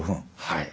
はい。